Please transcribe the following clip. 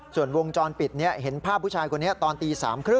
ส่วนวงจรปิดนี้เห็นภาพผู้ชายคนนี้ตอนตี๓๓๐